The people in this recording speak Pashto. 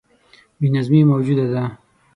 بې نظمي موجوده ده.